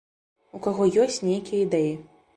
У каго ёсць нейкія ідэі.